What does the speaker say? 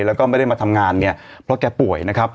แล้วก็ไม่ได้มาทำงานเนี่ยเพราะแกป่วยนะครับ